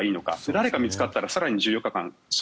誰か見つかったら更に１４日間。